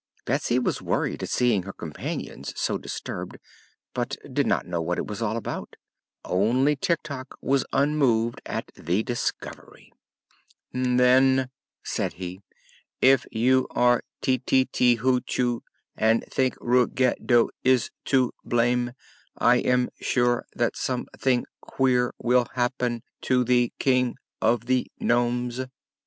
Betsy was worried at seeing her companions so disturbed, but did not know what it was all about. Only Tik Tok was unmoved at the discovery. "Then," said he, "if you are Ti ti ti Hoo choo, and think Rug ge do is to blame, I am sure that some thing queer will hap pen to the King of the Nomes."